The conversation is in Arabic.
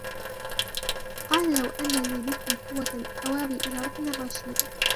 قال لو أن لي بكم قوة أو آوي إلى ركن شديد